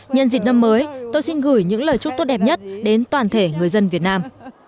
nhân dịp năm mới tôi xin gửi những lời chúc tốt đẹp nhất đến toàn thể người dân việt nam